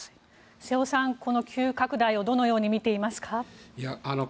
瀬尾さん、この急拡大をどのように見ていますか？